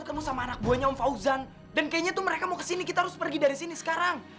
kita harus cepet cepet pergi dari sini ya